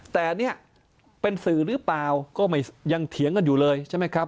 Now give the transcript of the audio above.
แต่เนี่ยเป็นสื่อหรือเปล่าก็ยังเถียงกันอยู่เลยใช่ไหมครับ